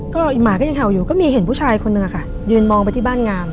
ก็หมาก็ยังเห่าอยู่ก็มีเห็นผู้ชายคนนึงค่ะยืนมองไปที่บ้านงาม